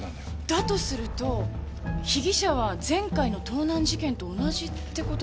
だとすると被疑者は前回の盗難事件と同じって事でしょうか？